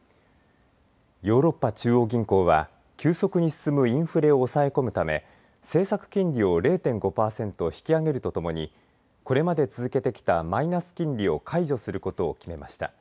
ヨーロッパ中央銀行は急速に進むインフレを抑え込むため政策金利を０．５パーセント引き上げるとともにこれまで続けてきたマイナス金利を解除することを決めました。